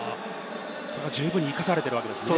十分に生かされてるわけですね。